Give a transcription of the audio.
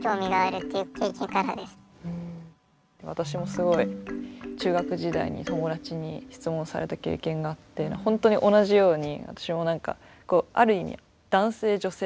私もすごい中学時代に友達に質問された経験があって本当に同じように私も何かある意味男性女性